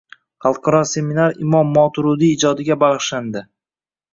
Xalqaro seminar Imom Moturudiy ijodiga bagʻishlandi